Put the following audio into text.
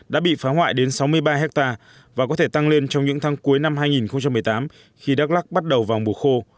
đã bị phá hoại đến sáu mươi ba hectare và có thể tăng lên trong những tháng cuối năm hai nghìn một mươi tám khi đắk lắc bắt đầu vào mùa khô